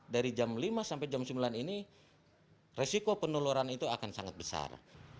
dari jam lima sampai jam sembilan ini resiko penularan itu akan sangat besar